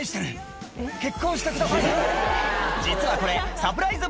実はこれサプライズ